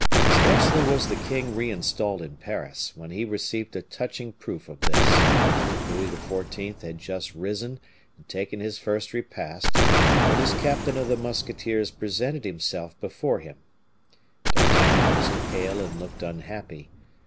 Scarcely was the king reinstalled in Paris, when he received a touching proof of this. Louis XIV. had just risen and taken his first repast when his captain of the musketeers presented himself before him. D'Artagnan was pale and looked unhappy.